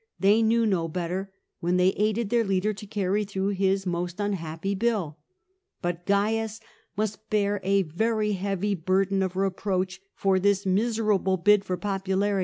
They knew 10 better, when they aided their leader to carry through his most unhappy bill. But Cai u&jmjiRtJifijir^ vQryJi )urden of repr oacb^jfcoLiihis. miserable bid jor pppulari^.